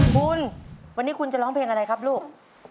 คุณวันนี้คุณจะร้องเพลงอะไรครับลูก